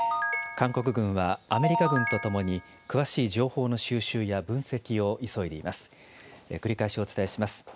韓国軍は、アメリカ軍とともに、詳しい情報の収集や分析を急いでいます。